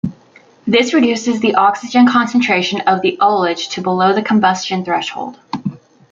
This reduces the oxygen concentration of the ullage to below the combustion threshold.